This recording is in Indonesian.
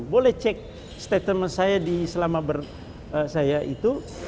boleh cek statement saya di selama saya itu